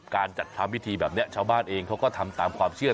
การจัดทำพิธีแบบนี้ชาวบ้านเองเขาก็ทำตามความเชื่อ